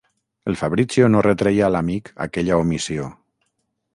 El Fabrizio no retreia a l'amic aquella omissió.